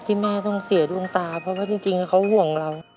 แม่ต้องเสียดวงตาเพราะว่าจริงเขาห่วงเรา